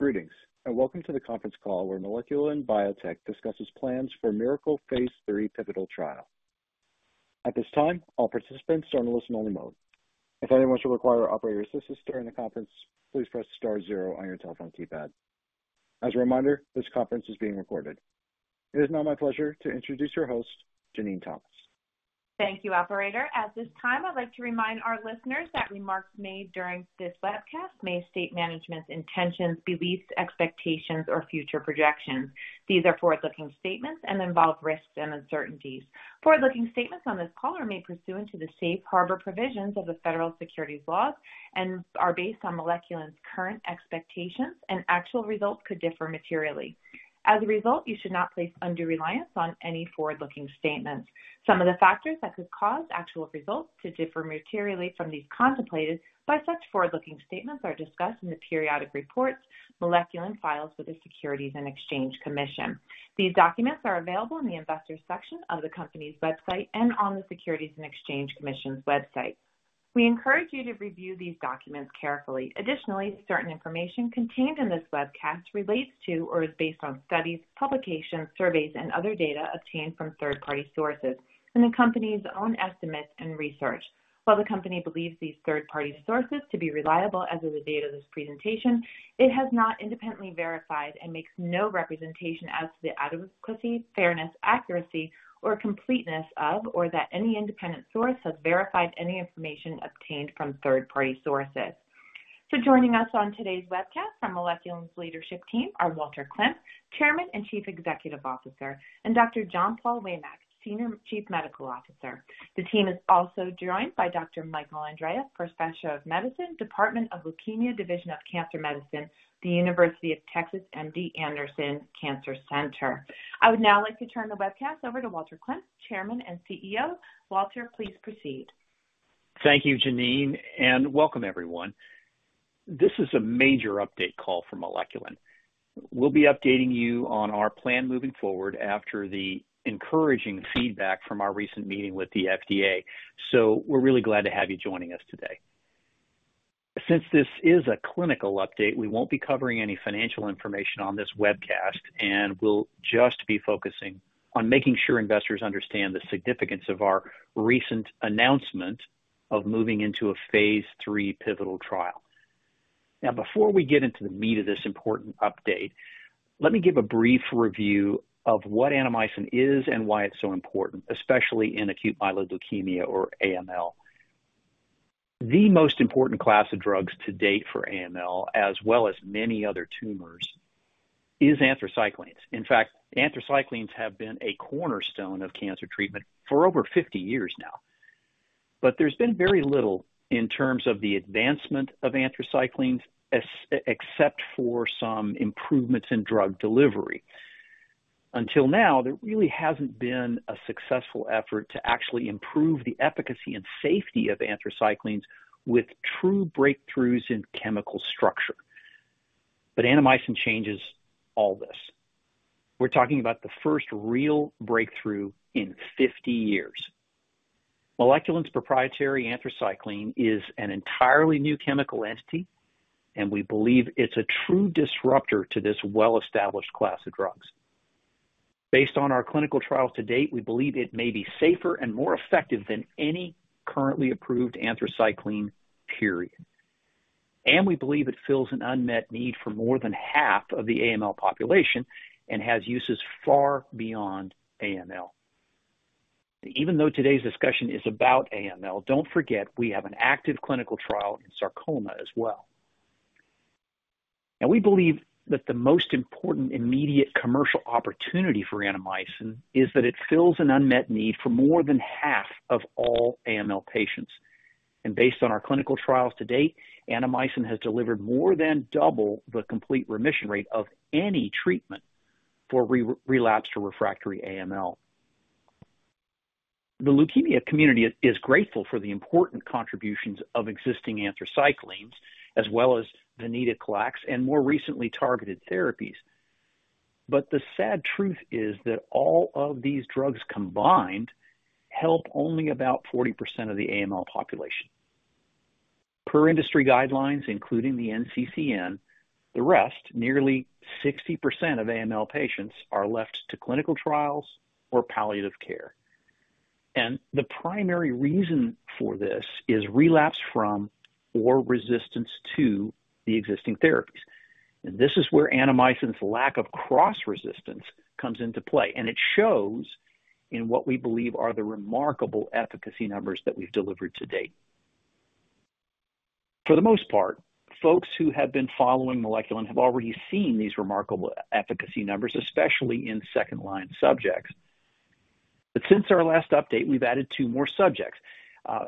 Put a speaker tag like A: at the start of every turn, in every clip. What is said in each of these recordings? A: Greetings, and welcome to the conference call where Moleculin Biotech discusses plans for MIRACLE Phase III pivotal trial. At this time, all participants are in listen-only mode. If anyone should require operator assistance during the conference, please press star zero on your telephone keypad. As a reminder, this conference is being recorded. It is now my pleasure to introduce your host, Jenene Thomas.
B: Thank you, operator. At this time, I'd like to remind our listeners that remarks made during this webcast may state management's intentions, beliefs, expectations, or future projections. These are forward-looking statements and involve risks and uncertainties. Forward-looking statements on this call are made pursuant to the safe harbor provisions of the federal securities laws and are based on Moleculin's current expectations, and actual results could differ materially. As a result, you should not place undue reliance on any forward-looking statements. Some of the factors that could cause actual results to differ materially from these contemplated by such forward-looking statements are discussed in the periodic reports Moleculin files with the Securities and Exchange Commission. These documents are available in the Investors section of the company's website and on the Securities and Exchange Commission's website. We encourage you to review these documents carefully. Additionally, certain information contained in this webcast relates to or is based on studies, publications, surveys, and other data obtained from third-party sources and the company's own estimates and research. While the company believes these third-party sources to be reliable as of the date of this presentation, it has not independently verified and makes no representation as to the adequacy, fairness, accuracy, or completeness of, or that any independent source has verified any information obtained from third-party sources. So joining us on today's webcast from Moleculin's leadership team are Walter Klemp, Chairman and Chief Executive Officer, and Dr. John Paul Waymack, Senior Chief Medical Officer. The team is also joined by Dr. Michael Andreeff, Professor of Medicine, Department of Leukemia, Division of Cancer Medicine, The University of Texas MD Anderson Cancer Center. I would now like to turn the webcast over to Walter Klemp, Chairman and CEO. Walter, please proceed.
C: Thank you, Jenene, and welcome everyone. This is a major update call from Moleculin. We'll be updating you on our plan moving forward after the encouraging feedback from our recent meeting with the FDA, so we're really glad to have you joining us today. Since this is a clinical update, we won't be covering any financial information on this webcast, and we'll just be focusing on making sure investors understand the significance of our recent announcement of moving into a phase III pivotal trial. Now, before we get into the meat of this important update, let me give a brief review of what Annamycin is and why it's so important, especially in acute myeloid leukemia, or AML. The most important class of drugs to date for AML, as well as many other tumors, is anthracyclines. In fact, anthracyclines have been a cornerstone of cancer treatment for over 50 years now. But there's been very little in terms of the advancement of anthracyclines, except for some improvements in drug delivery. Until now, there really hasn't been a successful effort to actually improve the efficacy and safety of anthracyclines with true breakthroughs in chemical structure. But Annamycin changes all this. We're talking about the first real breakthrough in 50 years. Moleculin's proprietary anthracycline is an entirely new chemical entity, and we believe it's a true disruptor to this well-established class of drugs. Based on our clinical trials to date, we believe it may be safer and more effective than any currently approved anthracycline, period. And we believe it fills an unmet need for more than half of the AML population and has uses far beyond AML. Even though today's discussion is about AML, don't forget, we have an active clinical trial in sarcoma as well. Now, we believe that the most important immediate commercial opportunity for Annamycin is that it fills an unmet need for more than half of all AML patients. Based on our clinical trials to date, Annamycin has delivered more than double the complete remission rate of any treatment for relapsed or refractory AML. The leukemia community is grateful for the important contributions of existing anthracyclines, as well as Venetoclax and more recently, targeted therapies. But the sad truth is that all of these drugs combined help only about 40% of the AML population. Per industry guidelines, including the NCCN, the rest, nearly 60% of AML patients, are left to clinical trials or palliative care, and the primary reason for this is relapse from or resistance to the existing therapies. This is where Annamycin's lack of cross-resistance comes into play, and it shows in what we believe are the remarkable efficacy numbers that we've delivered to date. For the most part, folks who have been following Moleculin have already seen these remarkable efficacy numbers, especially in second-line subjects. But since our last update, we've added 2 more subjects.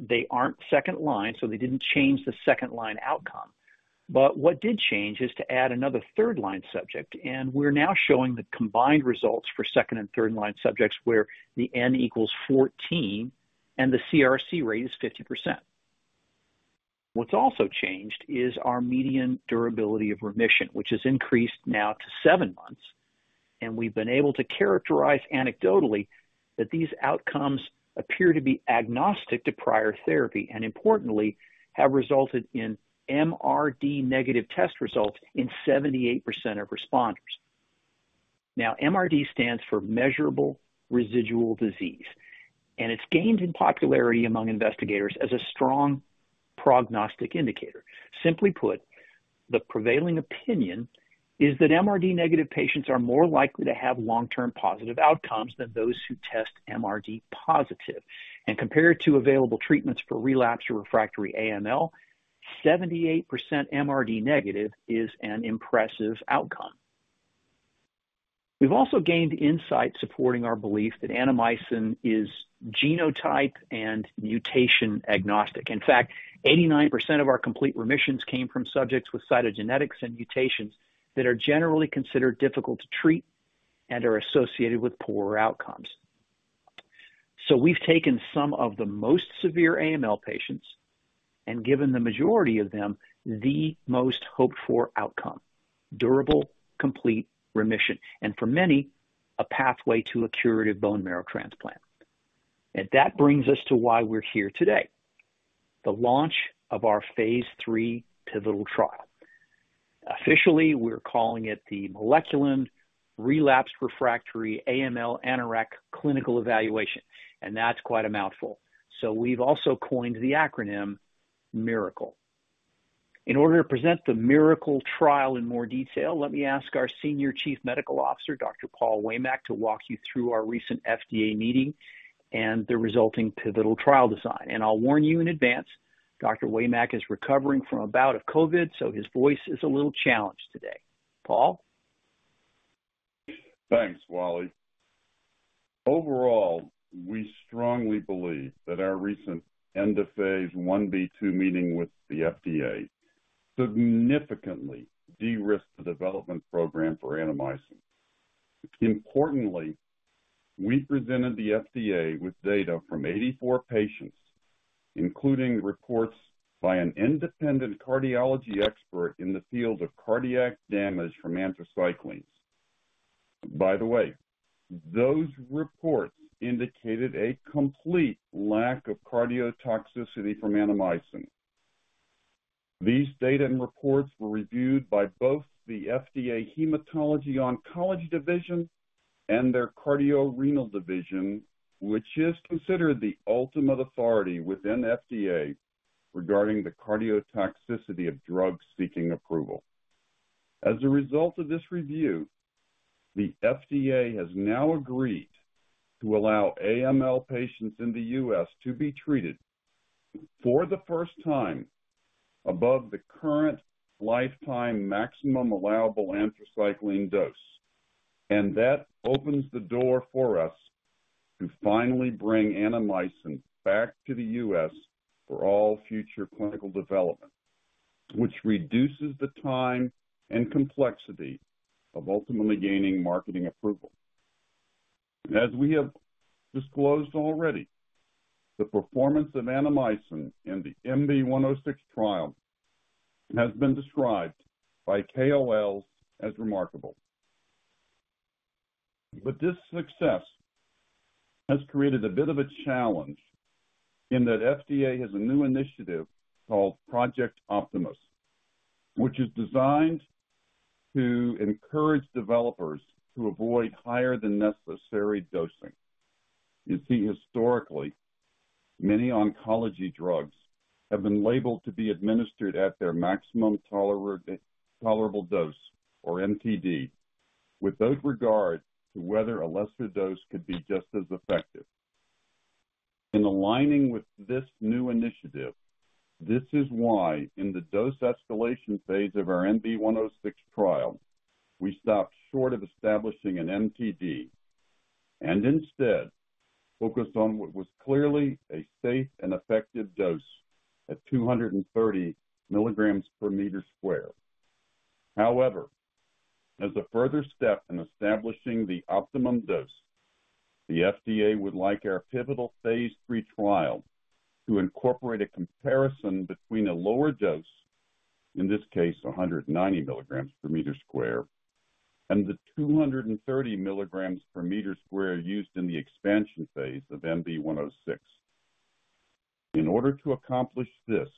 C: They aren't second line, so they didn't change the second-line outcome. But what did change is to add another third-line subject, and we're now showing the combined results for second and third-line subjects, where the N = 14 and the CR rate is 50%. What's also changed is our median durability of remission, which has increased now to 7 months. We've been able to characterize anecdotally that these outcomes appear to be agnostic to prior therapy, and importantly, have resulted in MRD negative test results in 78% of responders. Now, MRD stands for Measurable Residual Disease, and it's gained in popularity among investigators as a strong prognostic indicator. Simply put, the prevailing opinion is that MRD negative patients are more likely to have long-term positive outcomes than those who test MRD positive. Compared to available treatments for relapsed or refractory AML, 78% MRD negative is an impressive outcome. We've also gained insight supporting our belief that Annamycin is genotype and mutation agnostic. In fact, 89% of our complete remissions came from subjects with cytogenetics and mutations that are generally considered difficult to treat and are associated with poorer outcomes. So we've taken some of the most severe AML patients and given the majority of them the most hoped-for outcome, durable, complete remission, and for many, a pathway to a curative bone marrow transplant. That brings us to why we're here today, the launch of our phase III pivotal trial. Officially, we're calling it the Moleculin Relapsed/Refractory AML AnnAraC Clinical Evaluation, and that's quite a mouthful. We've also coined the acronym MIRACLE. In order to present the MIRACLE trial in more detail, let me ask our Senior Chief Medical Officer, Dr. John Paul Waymack, to walk you through our recent FDA meeting and the resulting pivotal trial design. I'll warn you in advance, Dr. Waymack is recovering from a bout of COVID, so his voice is a little challenged today. Paul?
D: Thanks, Wally. Overall, we strongly believe that our recent end of Phase Ib/II meeting with the FDA significantly de-risked the development program for Annamycin. Importantly, we presented the FDA with data from 84 patients, including reports by an independent cardiology expert in the field of cardiac damage from anthracyclines. By the way, those reports indicated a complete lack of cardiotoxicity from Annamycin. These data and reports were reviewed by both the FDA Hematology Oncology Division and their Cardio-Renal Division, which is considered the ultimate authority within the FDA regarding the cardiotoxicity of drugs seeking approval. As a result of this review, the FDA has now agreed to allow AML patients in the U.S. to be treated for the first time above the current lifetime maximum allowable anthracycline dose, and that opens the door for us to finally bring Annamycin back to the U.S. for all future clinical development, which reduces the time and complexity of ultimately gaining marketing approval. As we have disclosed already, the performance of Annamycin in the MB-106 trial has been described by KOLs as remarkable. But this success has created a bit of a challenge in that FDA has a new initiative called Project Optimus, which is designed to encourage developers to avoid higher than necessary dosing. You see, historically, many oncology drugs have been labeled to be administered at their maximum tolerable dose, or MTD, without regard to whether a lesser dose could be just as effective. In aligning with this new initiative, this is why in the dose escalation phase of our MB-106 trial, we stopped short of establishing an MTD and instead focused on what was clearly a safe and effective dose at 230 mg/m². However, as a further step in establishing the optimum dose, the FDA would like our pivotal phase III trial to incorporate a comparison between a lower dose, in this case, 190 mg/m², and the 230 mg/m² used in the expansion phase of MB-106. In order to accomplish this,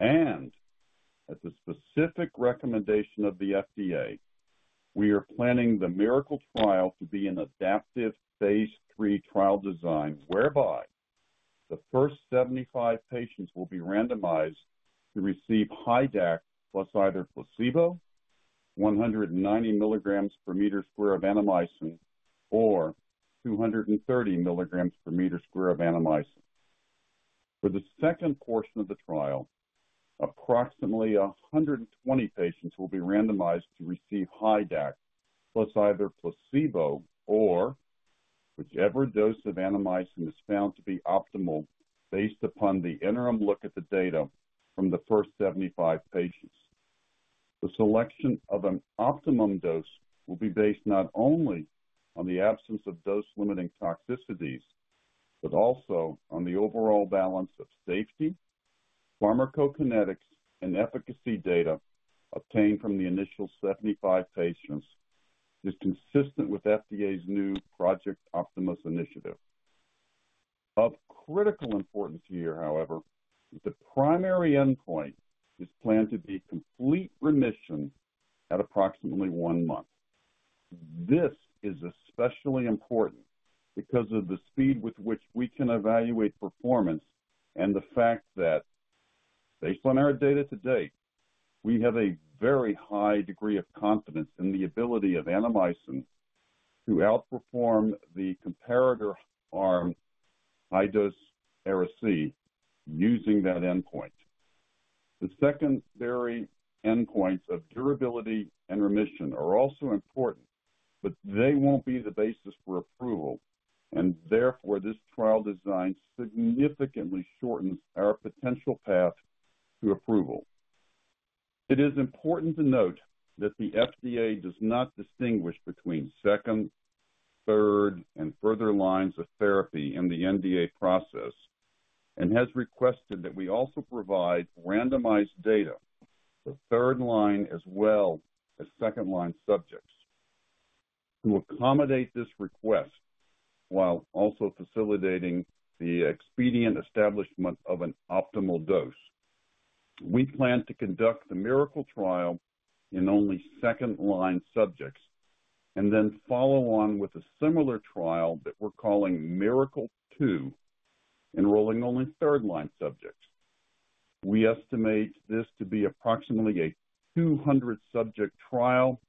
D: and at the specific recommendation of the FDA, we are planning the MIRACLE trial to be an adaptive phase III trial design, whereby the first 75 patients will be randomized to receive HiDAC plus either placebo, 190 mg/m² of Annamycin, or 230 mg/m² of Annamycin. For the second portion of the trial, approximately 120 patients will be randomized to receive HiDAC, plus either placebo or whichever dose of Annamycin is found to be optimal, based upon the interim look at the data from the first 75 patients. The selection of an optimum dose will be based not only on the absence of dose-limiting toxicities, but also on the overall balance of safety, pharmacokinetics and efficacy data obtained from the initial 75 patients is consistent with FDA's new Project Optimus initiative. Of critical importance here, however, the primary endpoint is planned to be complete remission at approximately one month. This is especially important because of the speed with which we can evaluate performance and the fact that, based on our data to date, we have a very high degree of confidence in the ability of Annamycin to outperform the comparator arm, high-dose Ara-C, using that endpoint. The secondary endpoints of durability and remission are also important, but they won't be the basis for approval, and therefore this trial design significantly shortens our potential path to approval. It is important to note that the FDA does not distinguish between second, third, and further lines of therapy in the NDA process, and has requested that we also provide randomized data for third line as well as second line subjects. To accommodate this request, while also facilitating the expedient establishment of an optimal dose, we plan to conduct the MIRACLE trial in only second-line subjects, and then follow on with a similar trial that we're calling MIRACLE-II, enrolling only third-line subjects. We estimate this to be approximately a 200-subject trial,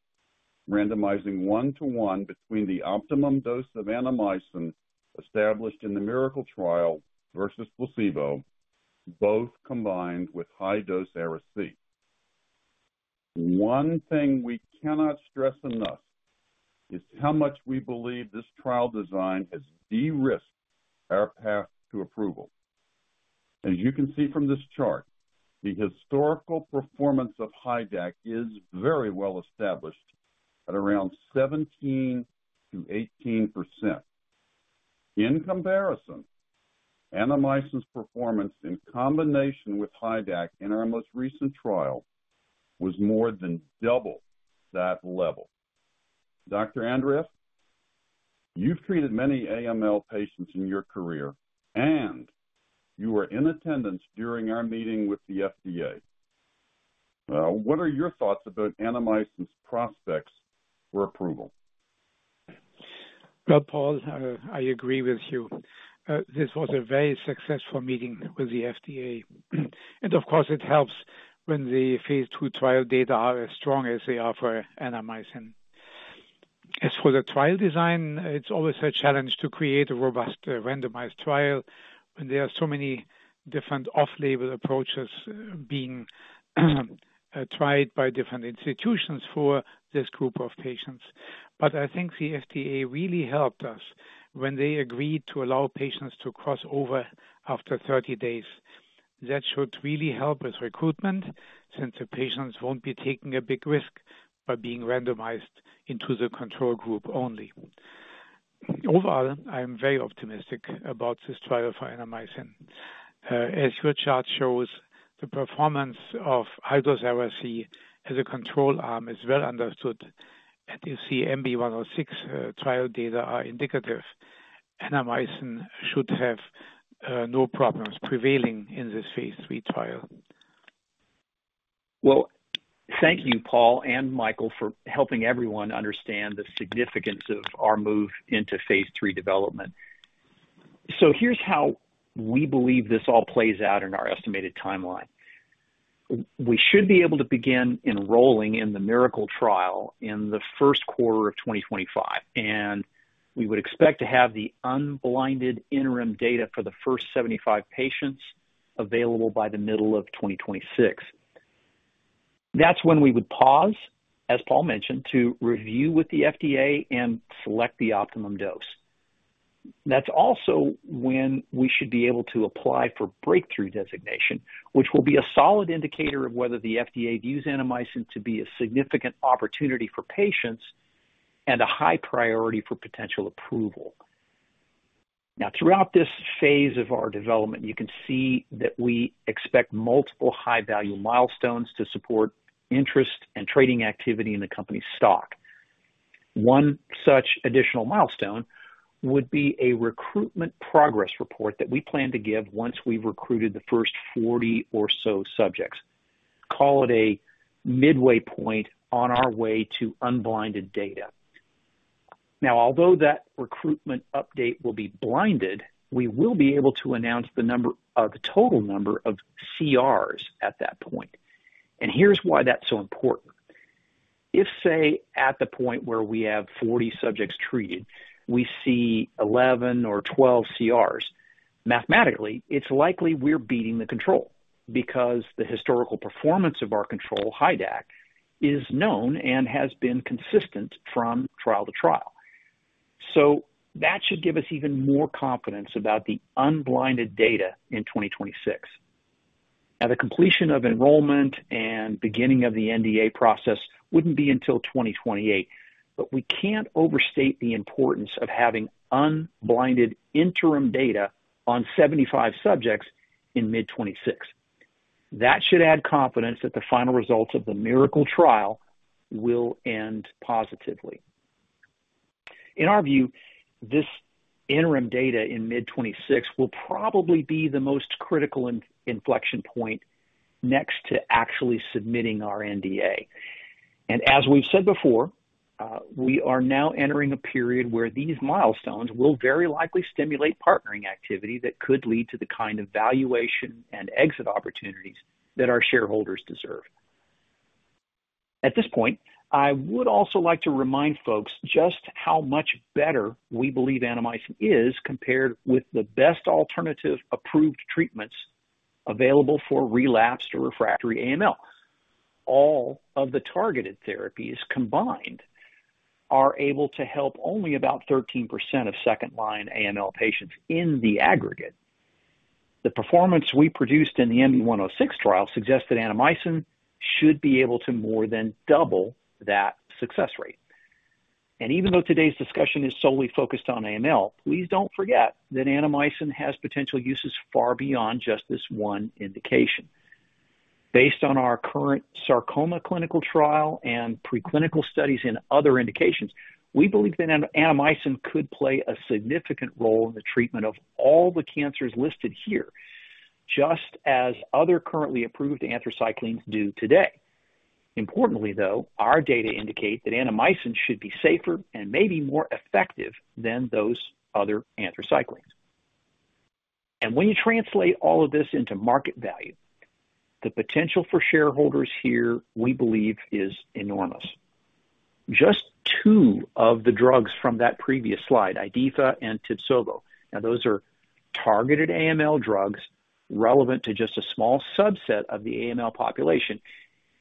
D: randomizing 1:1 between the optimum dose of Annamycin established in the MIRACLE trial versus placebo, both combined with high-dose Ara-C. One thing we cannot stress enough is how much we believe this trial design has de-risked our path to approval. As you can see from this chart, the historical performance of HiDAC is very well established at around 17%-18%. In comparison, Annamycin's performance in combination with HiDAC in our most recent trial was more than double that level. Dr. Andreeff, you've treated many AML patients in your career, and you were in attendance during our meeting with the FDA. What are your thoughts about Annamycin's prospects for approval?
E: Well, Paul, I agree with you. This was a very successful meeting with the FDA. And of course, it helps when the phase II trial data are as strong as they are for Annamycin. As for the trial design, it's always a challenge to create a robust, randomized trial when there are so many different off-label approaches being tried by different institutions for this group of patients. But I think the FDA really helped us when they agreed to allow patients to cross over after 30 days. That should really help with recruitment, since the patients won't be taking a big risk by being randomized into the control group only. Overall, I'm very optimistic about this trial for Annamycin. As your chart shows, the performance of high-dose Ara-C as a control arm is well understood, and you see MB-106 trial data are indicative Annamycin should have no problems prevailing in this phase III trial.
C: Well, thank you, Paul and Michael, for helping everyone understand the significance of our move into phase III development. So here's how we believe this all plays out in our estimated timeline. We should be able to begin enrolling in the Miracle trial in the first quarter of 2025, and we would expect to have the unblinded interim data for the first 75 patients available by the middle of 2026. That's when we would pause, as Paul mentioned, to review with the FDA and select the optimum dose. That's also when we should be able to apply for breakthrough designation, which will be a solid indicator of whether the FDA views Annamycin to be a significant opportunity for patients and a high priority for potential approval. Now, throughout this phase of our development, you can see that we expect multiple high-value milestones to support interest and trading activity in the company's stock. One such additional milestone would be a recruitment progress report that we plan to give once we've recruited the first 40 or so subjects, call it a midway point on our way to unblinded data. Now, although that recruitment update will be blinded, we will be able to announce the number of, total number of CRs at that point, and here's why that's so important. If, say, at the point where we have 40 subjects treated, we see 11 or 12 CRs, mathematically, it's likely we're beating the control, because the historical performance of our control, HiDAC, is known and has been consistent from trial to trial. So that should give us even more confidence about the unblinded data in 2026. Now, the completion of enrollment and beginning of the NDA process wouldn't be until 2028, but we can't overstate the importance of having unblinded interim data on 75 subjects in mid-2026. That should add confidence that the final results of the MIRACLE trial will end positively. In our view, this interim data in mid-2026 will probably be the most critical inflection point next to actually submitting our NDA. And as we've said before, we are now entering a period where these milestones will very likely stimulate partnering activity that could lead to the kind of valuation and exit opportunities that our shareholders deserve. At this point, I would also like to remind folks just how much better we believe Annamycin is compared with the best alternative approved treatments available for relapsed or refractory AML. All of the targeted therapies combined are able to help only about 13% of second-line AML patients in the aggregate. The performance we produced in the MB-106 trial suggests that Annamycin should be able to more than double that success rate. Even though today's discussion is solely focused on AML, please don't forget that Annamycin has potential uses far beyond just this one indication. Based on our current sarcoma clinical trial and preclinical studies in other indications, we believe that Annamycin could play a significant role in the treatment of all the cancers listed here, just as other currently approved anthracyclines do today. Importantly, though, our data indicate that Annamycin should be safer and maybe more effective than those other anthracyclines. When you translate all of this into market value, the potential for shareholders here, we believe, is enormous. Just two of the drugs from that previous slide, IDHIFA and TIBSOVO, now those are targeted AML drugs relevant to just a small subset of the AML population,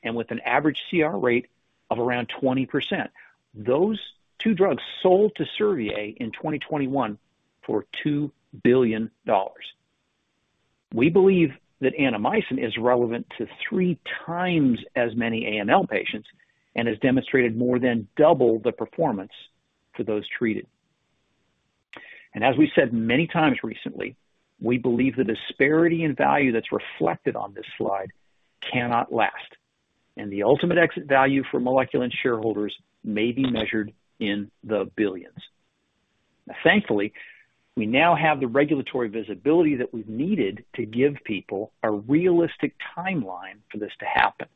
C: and with an average CR rate of around 20%. Those two drugs sold to Servier in 2021 for $2 billion. We believe that Annamycin is relevant to three times as many AML patients and has demonstrated more than double the performance for those treated. And as we said many times recently, we believe the disparity in value that's reflected on this slide cannot last, and the ultimate exit value for Moleculin shareholders may be measured in the billions. Now, thankfully, we now have the regulatory visibility that we've needed to give people a realistic timeline for this to happen.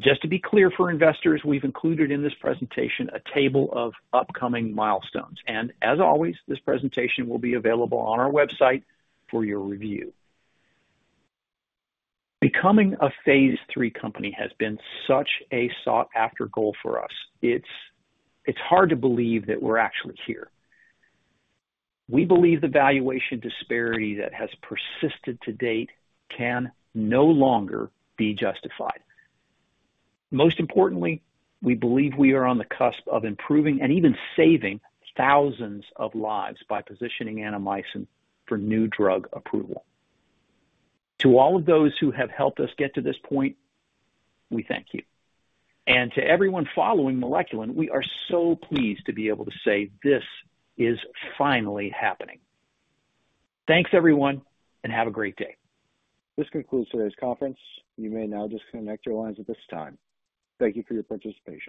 C: Just to be clear for investors, we've included in this presentation a table of upcoming milestones, and as always, this presentation will be available on our website for your review. Becoming a phase III company has been such a sought-after goal for us. It's, it's hard to believe that we're actually here. We believe the valuation disparity that has persisted to date can no longer be justified. Most importantly, we believe we are on the cusp of improving and even saving thousands of lives by positioning Annamycin for new drug approval. To all of those who have helped us get to this point, we thank you. To everyone following Moleculin, we are so pleased to be able to say this is finally happening. Thanks, everyone, and have a great day. This concludes today's conference. You may now disconnect your lines at this time. Thank you for your participation.